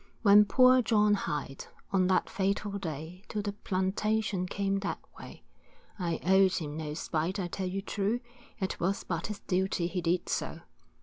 When poor John Hight, on that fatal day, To the plantation came that way, I owed him no spite, I tell you true, It was but his duty he did do.